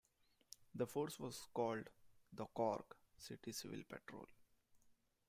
The force was called the Cork City Civil Patrol.